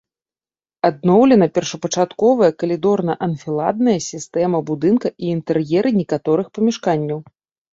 Адноўлена першапачатковая калідорна-анфіладная сістэма будынка і інтэр'еры некаторых памяшканняў.